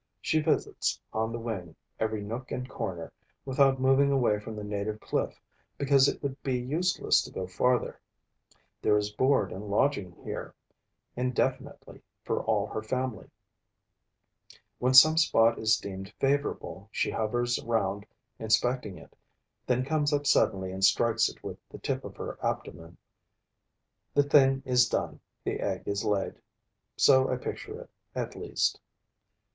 She visits, on the wing, every nook and corner, without moving away from the native cliff, because it would be useless to go farther. There is board and lodging here, indefinitely, for all her family. When some spot is deemed favorable, she hovers round inspecting it, then comes up suddenly and strikes it with the tip of her abdomen. The thing is done, the egg is laid. So I picture it, at least.